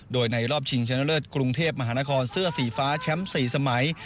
โดยในรอบชิงชนะเลิศกรุงเทพมหานครเสื้อสีฟ้าแชมป์๔สมัย